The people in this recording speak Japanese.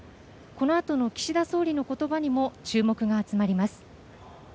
このあとの岸田総理の言葉にも注目が集まります。